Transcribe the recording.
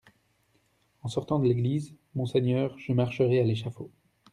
En sortant de l'église, monseigneur, je marcherai à l'échafaud.